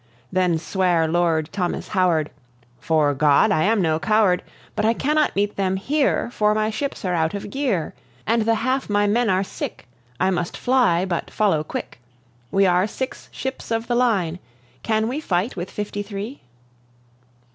Then sware Lord Thomas Howard: "'Fore God, I am no coward; But I cannot meet them here, for my ships are out of gear, And the half my men are sick. I must fly, but follow quick. We are six ships of the line; can we fight with fifty three?"